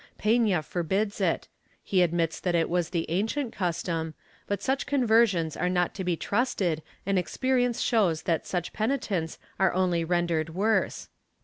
Pena forbids it ; he admits that it was the ancient custom, but such conversions are not to be trusted and experience shows that such penitents are only rendered worse.